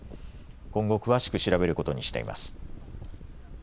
今後、詳しく調べることにしています。